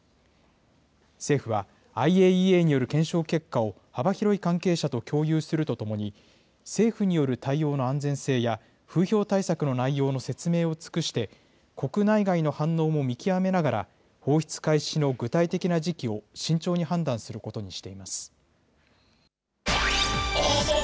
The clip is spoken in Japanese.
政府はＩＡＥＡによる検証結果を幅広い関係者と共有するとともに、政府による対応の安全性や、風評対策の内容の説明をつくして、国内外の反応も見極めながら、放出開始の具体的な時期を慎重に判断することにしています。